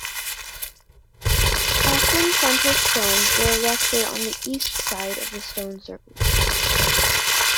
Often frontal stones were erected on the East side of the stone circles.